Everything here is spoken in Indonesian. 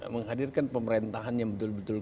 menghadirkan pemerintahan yang betul betul